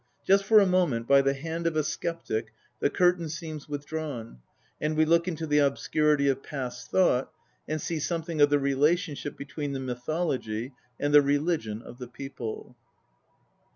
Just for a moment, by the hand of a sceptic, the curtain seems withdrawn, and we look into the obscurity of past thought, and see something of the relation ship between the mythology and the religion of the people.